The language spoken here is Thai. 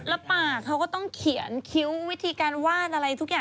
แล้วปากเขาก็ต้องเขียนคิ้ววิธีการว่านอะไรทุกอย่าง